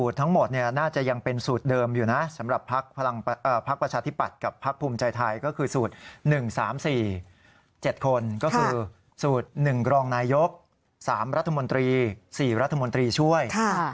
รองนายก๓รัฐมนตรี๔รัฐมนตรีช่วย